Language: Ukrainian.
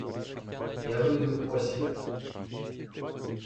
Я вийду ось як!